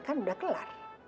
kan udah kelar